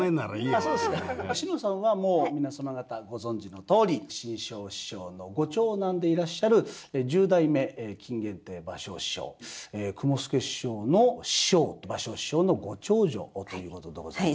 志乃さんはもう皆様方ご存じのとおり志ん生師匠のご長男でいらっしゃる十代目金原亭馬生師匠雲助師匠の師匠馬生師匠のご長女ということでございまして。